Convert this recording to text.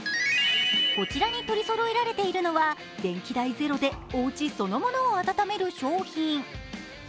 こちらに取りそろえられているのは電気代ゼロでおうちそのものを暖める商品。